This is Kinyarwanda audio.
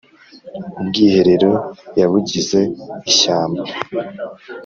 Ubwiherero yabugize ishyamba